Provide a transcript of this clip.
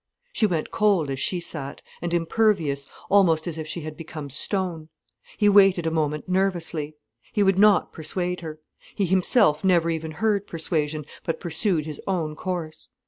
She went cold as she sat, and impervious, almost as if she had become stone. He waited a moment nervously. He would not persuade her. He himself never even heard persuasion, but pursued his own course.